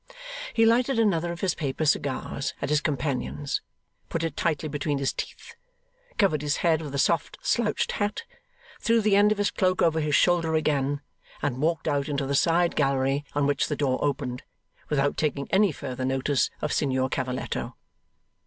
He lighted another of his paper cigars at his companion's; put it tightly between his teeth; covered his head with a soft slouched hat; threw the end of his cloak over his shoulder again; and walked out into the side gallery on which the door opened, without taking any further notice of Signor Cavalletto.